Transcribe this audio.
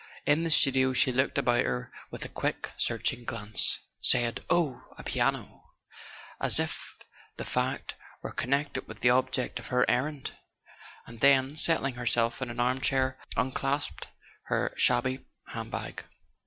In the studio she looked about her with a quick searching glance, said "Oh, a piano " as if the fact were connected with the object of her errand—and then, settling herself in an armchair, unclasped her shabby hand bag.